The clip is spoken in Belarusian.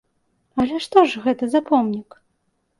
Але што ж гэта за помнік?